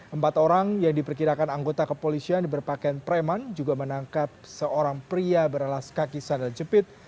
empat orang yang diperkirakan anggota kepolisian berpakaian preman juga menangkap seorang pria beralas kaki sandal jepit